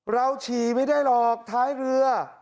ฉี่ไม่ได้หรอกท้ายเรือ